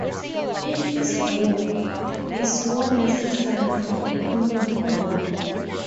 In his book, Is War Necessary for Economic Growth?